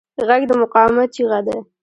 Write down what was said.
غږ د مقاومت چیغه ده